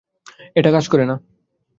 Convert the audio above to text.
এটা কাজ করে না।